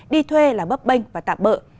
đi thuê là bấp bênh và tạp bợ